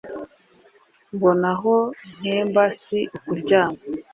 Mbona aho ntemba si ukuryama.